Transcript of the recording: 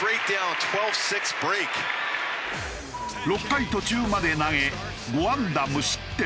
６回途中まで投げ５安打無失点。